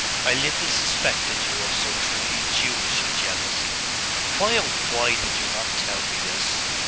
I little suspected you of so truly Jewish a jealousy! Why, oh why, did you not tell me this?